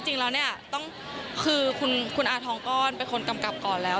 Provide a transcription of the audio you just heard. จริงแล้วเนี่ยคือคุณอาทองก้อนเป็นคนกำกับก่อนแล้ว